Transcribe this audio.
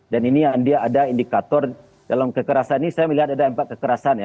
dan ini ada indikator dalam kekerasan ini saya melihat ada empat kekerasan